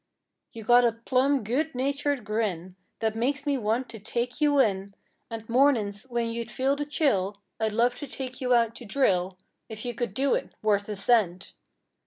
You got a plum good natured grin That makes me want to take you in And mornin's when you'd feel the chill I'd love to take you out to drill If you could do it worth a cent!